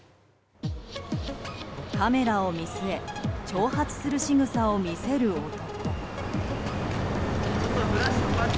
カメラを見据え挑発するしぐさを見せる男。